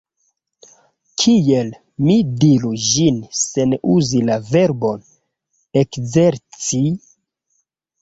Kiel mi diru ĝin sen uzi la verbon "ekzerci"?